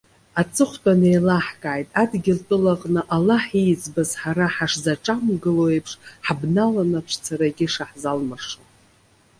Аҵыхәтәан иеилаҳкааит, адгьылтәыла аҟны Аллаҳ ииӡбаз ҳара ҳашзаҿамгыло еиԥш, ҳабналаны ацәцарагьы шаҳзалмыршо.